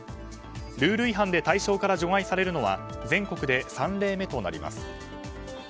ルール違反で対象から除外されるのは全国で３例目となります。